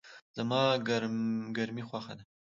زما ګرمی خوښه ده